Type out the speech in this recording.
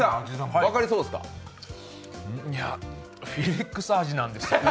いや、フィリックスガム味なんですよね。